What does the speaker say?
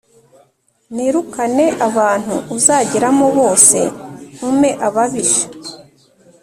Nirukane abantu uzageramo bose ntume ababisha